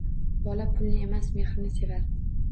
Bola pulni emas mehrni sevar.